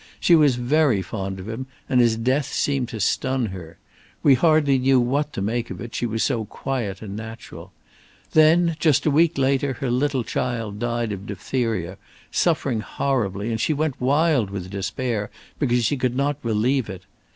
She was very fond of him, and his death seemed to stun her. We hardly knew what to make of it, she was so quiet and natural. Then just a week later her little child died of diphtheria, suffering horribly, and she wild with despair because she could not relieve it.